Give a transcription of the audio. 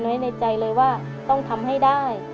อย่างน้อยในใจเลยว่าต้องทำให้ได้